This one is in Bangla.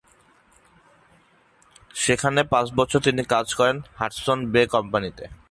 সেখানে পাঁচ বছর তিনি কাজ করেন হাডসন’স বে কোম্পানিতে।